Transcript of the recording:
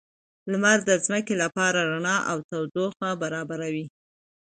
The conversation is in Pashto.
لمر د ځمکې لپاره رڼا او تودوخه برابروي